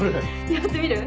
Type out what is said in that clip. やってみる？